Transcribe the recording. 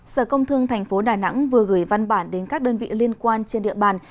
sở công thương tp đà nẵng vừa gửi văn bản đến các đơn vị liên quan trên địa bàn